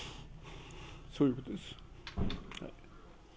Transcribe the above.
そういうことです。